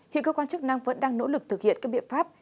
hiện cơ quan chức năng vẫn đang nỗ lực thực hiện các biện pháp